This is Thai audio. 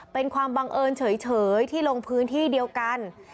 เป็นความบังเอิญเฉยที่ลงพื้นที่เดียวกัน